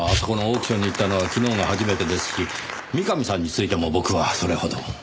このオークションに行ったのは昨日が初めてですし三上さんについても僕はそれほど。